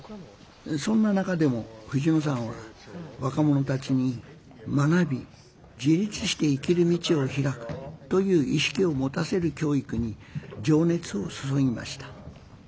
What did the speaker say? そんな中でも藤野さんは若者たちに「学び」「自立して生きる道をひらく」という意識を持たせる教育に情熱を注ぎました。